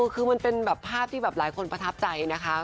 คือมันเป็นแบบภาพที่แบบหลายคนประทับใจนะคะ